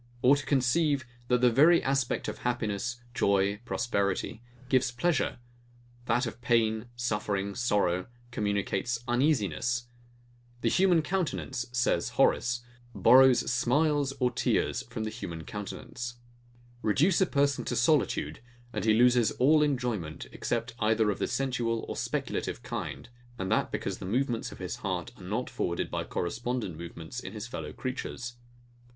Or to conceive, that the very aspect of happiness, joy, prosperity, gives pleasure; that of pain, suffering, sorrow, communicates uneasiness? The human countenance, says Horace ['Uti ridentibus arrident, ita flentibus adflent Humani vultus,' Hor.], borrows smiles or tears from the human countenance. Reduce a person to solitude, and he loses all enjoyment, except either of the sensual or speculative kind; and that because the movements of his heart are not forwarded by correspondent movements in his fellow creatures.